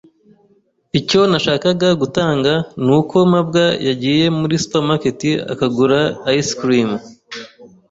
Icyo nashakaga gutanga nuko mabwa yagiye muri supermarket akagura ice cream.